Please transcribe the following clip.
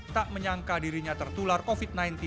tak menyangka dirinya tertular covid sembilan belas